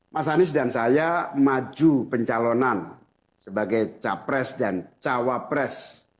mas anies dan saya maju pencalonan sebagai capres dan cawapres